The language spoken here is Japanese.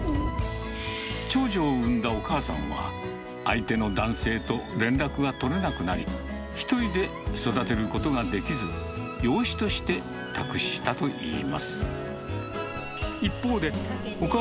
長女を産んだお母さんは、相手の男性と連絡が取れなくなり、一人で育てることができず、養子として託したといいます。